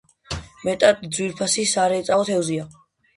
მეტად ძვირფასი სარეწაო თევზია.